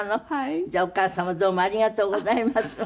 じゃあお母様どうもありがとうございます。